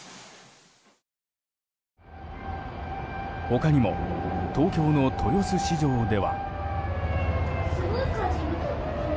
他にも東京の豊洲市場では。